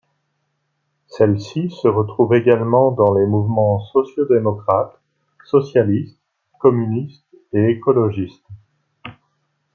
Celle-ci se retrouve également dans les mouvements socio-démocrates, socialistes, communistes et écologistes.